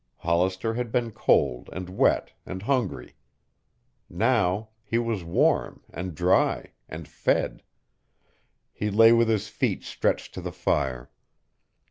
Hollister had been cold and wet and hungry. Now he was warm and dry and fed. He lay with his feet stretched to the fire.